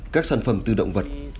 các sản phẩm từ động vật